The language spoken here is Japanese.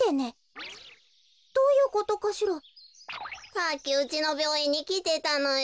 さっきうちのびょういんにきてたのよ。